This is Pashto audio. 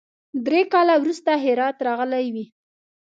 درې کاله وروسته هرات راغلی وي.